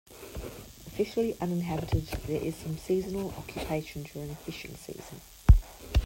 Officially uninhabited, there is some seasonal occupation during fishing season.